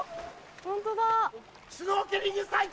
ホントだ。